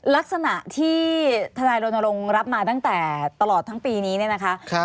ลักษณะที่ทนายรณรงค์รับมาตั้งแต่ตลอดทั้งปีนี้เนี่ยนะคะ